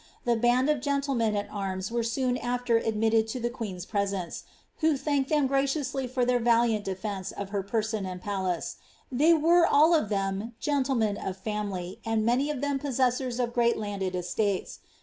Tlia faaai of gentlemen at arms were spon after admitted to the qoeenHi ptewacfj who thanked them very gracioasly for their 'faliaiii deftnce of her person and palace. They were ail of them gentlemen of ftmily, aad many of them possessors of great landed estates.